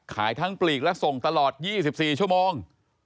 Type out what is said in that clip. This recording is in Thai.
ขายทั้งปลีกและส่งตลอด๒๔ชั่วโมง